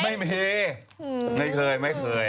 ไม่ไม่เคยไม่เคยไม่เคย